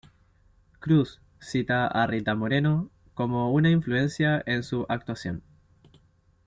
Cruz cita a Rita Moreno como una influencia en su actuación.